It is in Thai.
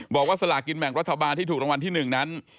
สลากินแบ่งรัฐบาลที่ถูกรางวัลที่๑นั้น